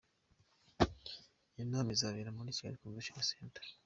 Iyo nama izabera muri Kigali Convention Center.